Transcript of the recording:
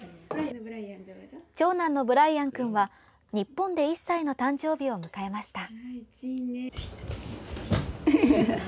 長男のブライアン君は日本で１歳の誕生日を迎えました。